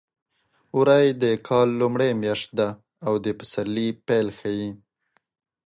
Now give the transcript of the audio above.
وری د کال لومړۍ میاشت ده او د پسرلي پیل ښيي.